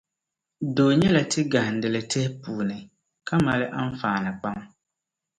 Doo nyɛ la tia gahindili tihi puuni, ka mali anfaani pam.